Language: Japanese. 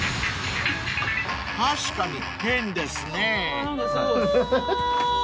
［確かに変ですね］